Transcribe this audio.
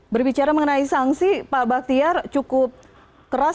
berbicara mengenai sanksi pak baktiar cukup keras